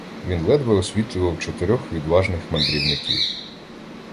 Він ледве освітлював чотирьох відважних мандрівників.